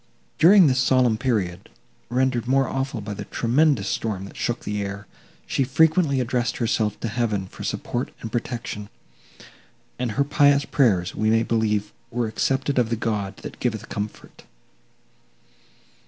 During this solemn period, rendered more awful by the tremendous storm that shook the air, she frequently addressed herself to Heaven for support and protection, and her pious prayers, we may believe, were accepted of the God, that giveth comfort.